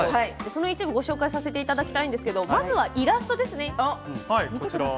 その一部ご紹介させていただきたいんですけどまずはイラストですね。